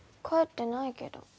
帰ってないけど。